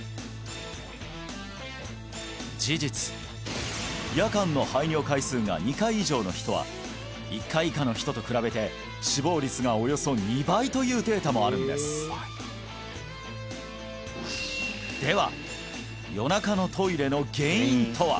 事実夜間の排尿回数が２回以上の人は１回以下の人と比べて死亡率がおよそ２倍というデータもあるんですでは